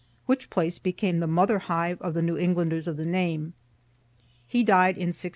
which place became the mother hive of the New Englanders of the name; he died in 1692.